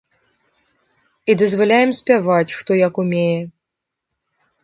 І дазваляем спяваць, хто як умее.